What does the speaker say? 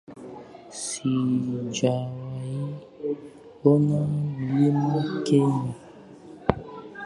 Sijawahi ona mlima Kenya